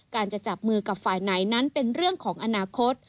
จะจับมือกับฝ่ายไหนนั้นเป็นเรื่องของอนาคต